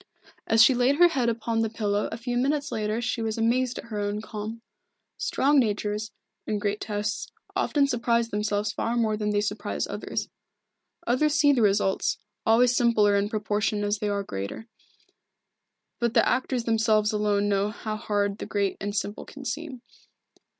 As she laid her head upon the pillow a few minutes later she was amazed at her own calm. Strong natures, in great tests, often surprise themselves far more than they surprise others. Others see the results, always simpler in proportion as they are greater. But the actors themselves alone know how hard the great and simple can seem.